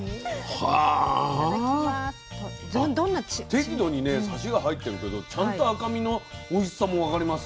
適度にねサシが入ってるけどちゃんと赤身のおいしさも分かります。